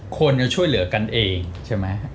คนยังช่วยเหลือกันเองใช่ไหม